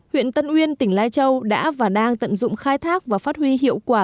huyện tân uyên tỉnh lai châu đã và đang tận dụng khai thác và phát huy hiệu quả